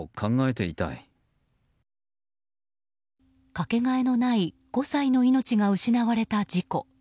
かけがえのない５歳の命が失われた事故。